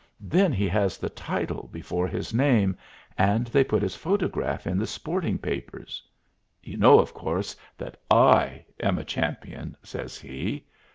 Then he has the title before his name, and they put his photograph in the sporting papers. You know, of course, that I am a champion," says he.